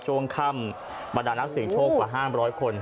ช่วงค่ำบรรดานักเสียงโชคกว่า๕๐๐คน